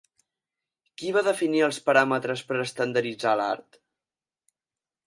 Qui va definir els paràmetres per estandarditzar l'art?